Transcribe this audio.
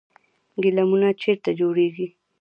ګلیمونه چیرته جوړیږي؟